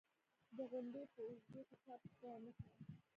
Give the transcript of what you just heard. د غونډې په اوږدو کې چا پوښتنه و نه کړه